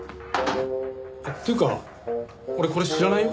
っていうか俺これ知らないよ。